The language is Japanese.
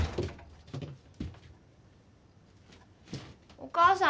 お母さん！